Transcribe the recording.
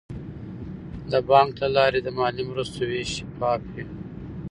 د بانک له لارې د مالي مرستو ویش شفاف وي.